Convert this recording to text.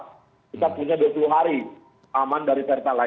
kita punya dua puluh hari aman dari pertalite